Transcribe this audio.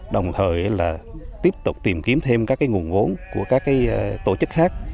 đồng thời là tiếp tục tìm kiếm thêm các nguồn vốn của các tổ chức khác